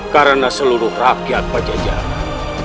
karena seluruh rakyat pejajaran